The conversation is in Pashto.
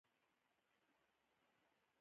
سانتیاګو له خوب تعبیرونکي سره ګوري.